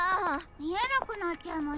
みえなくなっちゃいましたね。